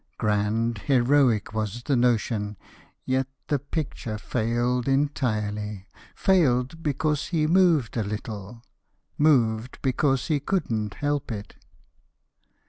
Grand, heroic was the notion: Yet the picture failed entirely: Failed, because he moved a little, Moved, because he couldn't help it.